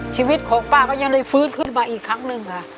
ชีวิตของป้าก็ยังได้ฟื้นขึ้นมาอีกครั้งหนึ่งค่ะ